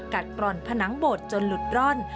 กร่อนผนังโบดจนหลุดร่อน